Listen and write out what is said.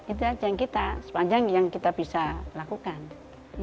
itu aja yang kita sepanjang yang kita bisa lakukan